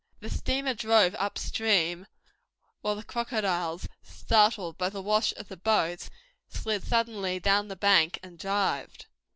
The steamer drove up stream while the crocodiles, startled by the wash of the boat, slid sullenly down the bank and dived.